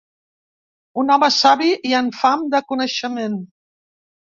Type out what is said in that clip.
Un home savi i amb fam de coneixement.